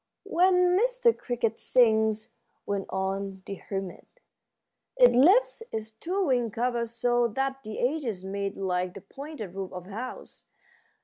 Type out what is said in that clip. "When Mr. Cricket sings," went on the hermit, "it lifts its two wing covers so that the edges meet like the pointed roof of a house.